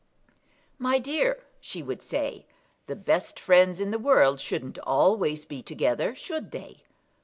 "My dear," she would say, "the best friends in the world shouldn't always be together; should they?